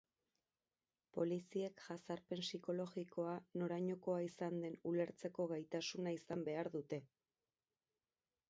Poliziek jazarpen psikologikoa norainokoa izan den ulertzeko gaitasuna izan behar dute.